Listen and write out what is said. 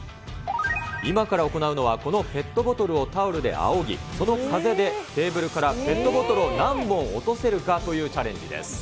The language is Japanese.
今から行うのは、このペットボトルをタオルであおぎ、その風でテーブルからペットボトルを何本落とせるかというチャレンジです。